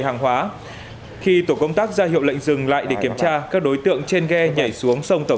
dầu khi tổ công tác ra hiệu lệnh dừng lại để kiểm tra các đối tượng trên ghe nhảy xuống sông tẩu